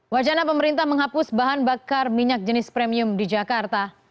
wacana pemerintah menghapus bahan bakar minyak jenis premium di jakarta